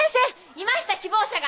いました希望者が！